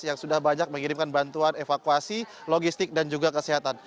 yang sudah banyak mengirimkan bantuan evakuasi logistik dan juga kesehatan